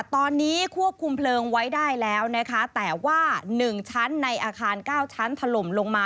ตอนนี้ควบคุมเพลิงไว้ได้แล้วนะคะแต่ว่า๑ชั้นในอาคาร๙ชั้นถล่มลงมา